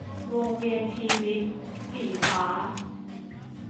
วงเวียนชีวิต - สีฟ้า